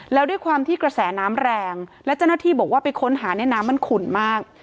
แล้วด้วยความที่กระแสน้ำแรงและเจ้าหน้าที่บอกว่าไปค้นหาเนี่ยน้ำมันขุ่นมาก